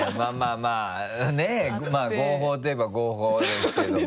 まぁ合法といえば合法ですけども。